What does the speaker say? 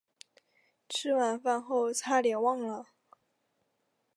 吃完饭后差点忘了